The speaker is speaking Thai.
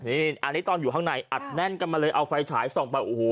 อันนี้ตอนอยู่ข้างในอัดแน่นกันมาเลยเอาไฟฉายส่องไปโอ้โห